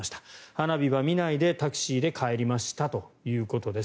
花火は見ないでタクシーで帰りましたということです。